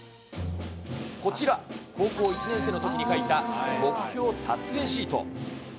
こちら、高校１年生のときに書いた、目標達成シート。